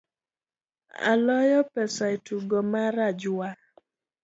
Aloyo pesa etugo mare ajua.